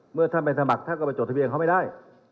เมื่อท่านไปสมัครท่านก็ไปจดทะเบียนเขาไม่ได้